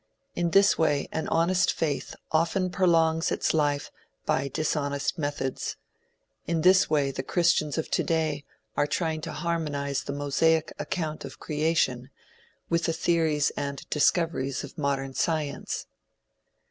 In this way an honest faith often prolongs its life by dishonest methods; and in this way the Christians of to day are trying to harmonize the Mosaic account of creation with the theories and discoveries of modern science.